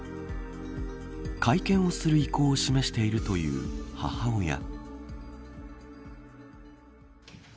会見をする意向を示しているという母親。